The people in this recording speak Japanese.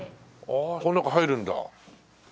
ああこの中入るんだ。